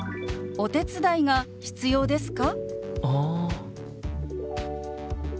お手伝いが必要ですか？